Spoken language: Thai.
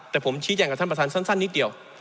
แต่ผมชี้แจงกับท่านประธานสั้นนิดเดียว